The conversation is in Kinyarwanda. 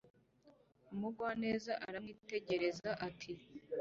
Umugwaneza aramwitegereza ati